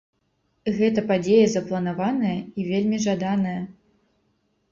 Гэта падзея запланаваная і вельмі жаданая.